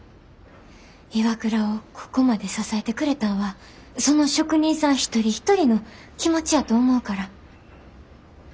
ＩＷＡＫＵＲＡをここまで支えてくれたんはその職人さん一人一人の気持ちやと思うから。